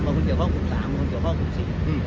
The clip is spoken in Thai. บางคนเกี่ยวข้องกับกลุ่มสามบางคนเกี่ยวข้องกับกลุ่มสี่อืม